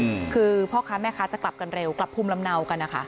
อืมคือพ่อค้าแม่ค้าจะกลับกันเร็วกลับภูมิลำเนากันนะคะ